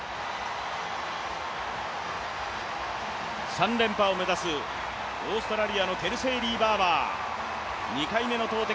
３連覇を目指すオーストラリアのケルセイリー・バーバー。